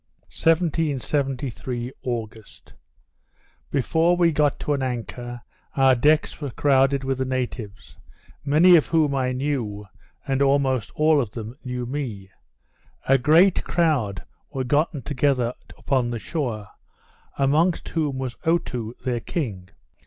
_ 1773 August Before we got to an anchor, our decks were crowded with the natives; many of whom I knew, and almost all of them knew me. A great crowd were gotten together upon the shore; amongst whom was Otoo their king.